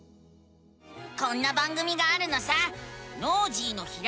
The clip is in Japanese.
こんな番組があるのさ！